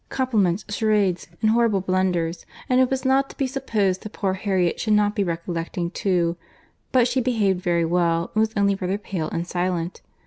Compliments, charades, and horrible blunders; and it was not to be supposed that poor Harriet should not be recollecting too; but she behaved very well, and was only rather pale and silent.